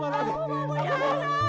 aku mau punya anak